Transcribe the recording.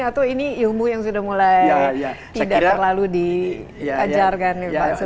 atau ini ilmu yang sudah mulai tidak terlalu diajarkan